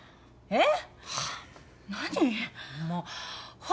えっ？